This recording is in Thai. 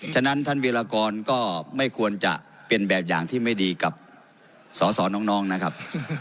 ฉะนั้นท่านวิรากรก็ไม่ควรจะเป็นแบบอย่างที่ไม่ดีกับสอสอน้องนะครับ